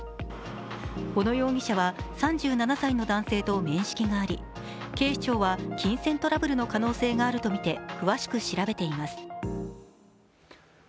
小野容疑者は３７歳の男性と面識があり、警視庁は金銭トラブルの可能性があるとみて詳しく調べています。